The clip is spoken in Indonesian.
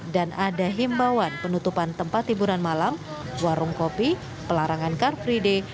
dan ada himbawan penutupan tempat timburan malam warung kopi pelarangan car free day